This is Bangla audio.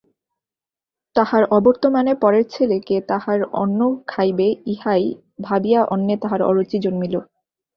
তাঁহার অবর্তমানে পরের ছেলে কে তাঁহার অন্ন খাইবে ইহাই ভাবিয়া অন্নে তাঁহার অরুচি জন্মিল।